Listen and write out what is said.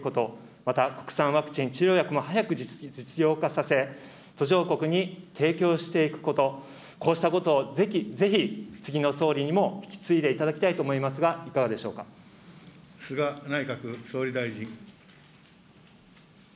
約束した資金を年内に確実に拠出していくこと、また国産ワクチン、治療薬も早く実用化させ、途上国に提供していくこと、こうしたことをぜひ次の総理にも引き継いでいただきたいと思いますが、いか菅内閣総理大臣。